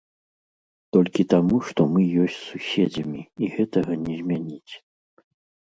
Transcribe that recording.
Толькі таму, што мы ёсць суседзямі, і гэтага не змяніць.